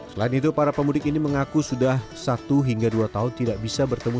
selain itu para pemudik ini mengaku sudah satu hingga dua tahun tidak bisa bertemu